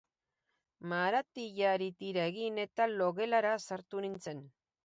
Maratilari tira egin, eta logelara sartu nintzen.